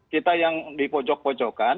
kita yang di pojok pojokan